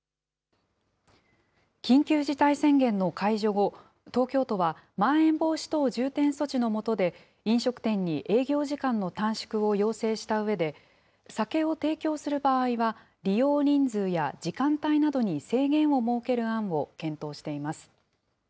緊急事態宣言の解除後、東京都はまん延防止等重点措置の下で飲食店に営業時間の短縮を要請したうえで、酒を提供する場合は利用人数や時間帯などに制限を設ける案を検討しています。